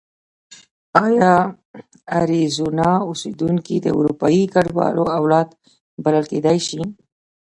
ایا اریزونا اوسېدونکي د اروپایي کډوالو اولاد بلل کېدای شي؟